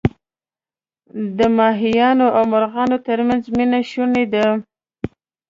د ماهیانو او مرغانو ترمنځ مینه شوني ده.